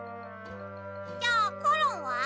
じゃあコロンは？